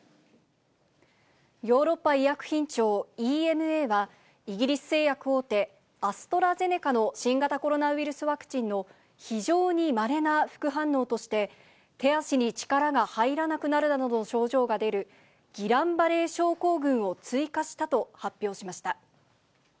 ヨーロッパ医薬品庁・ＥＭＡは、イギリス製薬大手、アストラゼネカの新型コロナウイルスワクチンの非常にまれな副反応として、手足に力が入らなくなるなどの症状が出る、ギラン・バレー症候群を追加したと発表しました。